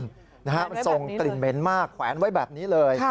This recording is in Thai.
มันส่งกลิ่นเหม็นมากแขวนไว้แบบนี้เลย